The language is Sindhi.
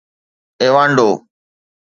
ايوانڊو